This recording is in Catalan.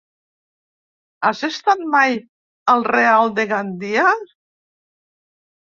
Has estat mai al Real de Gandia?